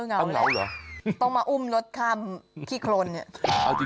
เออเหงาแล้วต้องมาอุ้มรถข้ามขี้โครนนี่